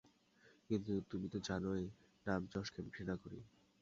কিন্তু তুমি তো জানই, নাম-যশকে আমি ঘৃণা করি।